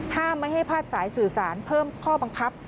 ห้ามไม่ให้พาดสายสื่อสารเพิ่มข้อบังคับ